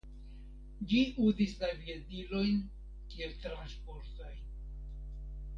Ĝi uzis la aviadilojn kiel transportaj.